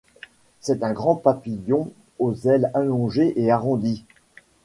C'est un grand papillon aux ailes allongées et arrondies.